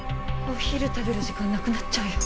お昼食べる時間なくなっちゃうよ。